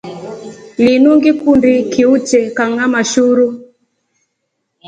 Linu ngikundi kiuche kanʼgama shuru.